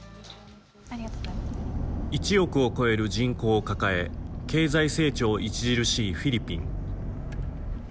１億を超える人口を抱え経済成長著しいフィリピン。